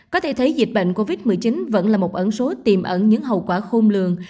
có thể thấy dịch bệnh covid một mươi chín vẫn là một ẩn số tiềm ẩn những hậu quả khôn lường